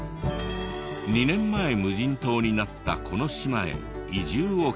２年前無人島になったこの島へ移住を決意。